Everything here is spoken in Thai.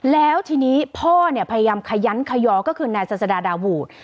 แล้วทีนี้พ่อเนี่ยพยายามขยันขยอก็คือนายศาสดาดาวูด